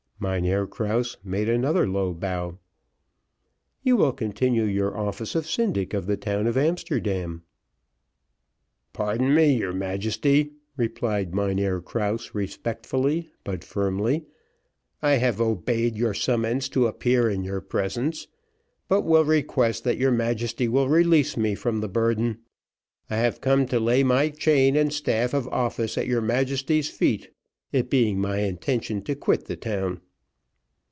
Mynheer Krause made another low bow. "You will continue your office of syndic of the town of Amsterdam." "Pardon me, your Majesty," replied Mynheer Krause respectfully, but firmly, "I have obeyed your summons to appear in your presence, but will request that your Majesty will release me from the burden. I have come to lay my chain and staff of office at your Majesty's feet, it being my intention to quit the town."